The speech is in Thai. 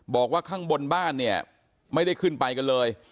บอกว่าข้างบนบ้านเนี่ยไม่ได้ขึ้นไปกันเลย